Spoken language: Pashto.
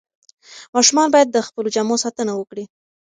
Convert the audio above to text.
ماشومان باید د خپلو جامو ساتنه وکړي.